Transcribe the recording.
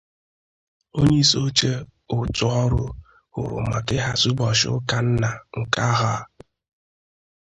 onyeisioche òtù ọrụ hụrụ maka ịhazi ụbọchị ụka nna nke ahọ a